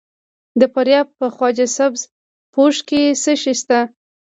د فاریاب په خواجه سبز پوش کې څه شی شته؟